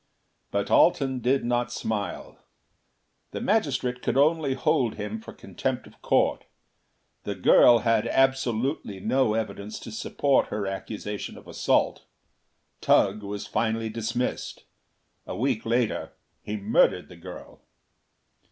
But Alten did not smile. "The Magistrate could only hold him for contempt of Court. The girl had absolutely no evidence to support her accusation of assault. Tugh was finally dismissed. A week later he murdered the girl.